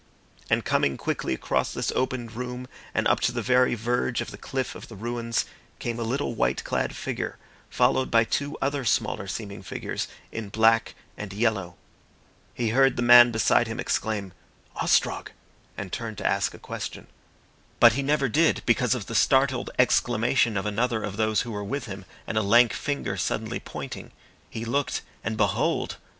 And coming quickly across this opened room and up to the very verge of the cliff of the ruins came a little white clad figure followed by two other smaller seeming figures in black and yellow. He heard the man beside him exclaim "Ostrog," and turned to ask a question. But he never did, because of the startled exclamation of another of those who were with him and a lank finger suddenly pointing. He looked, and behold!